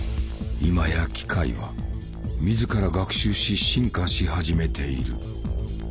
今や機械は自ら学習し進化し始めている。